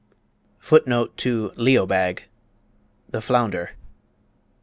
[Footnote 1: Leobag The flounder.